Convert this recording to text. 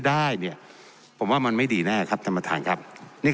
ได้เนี่ยผมว่ามันไม่ดีแน่ครับท่านประธานครับนี่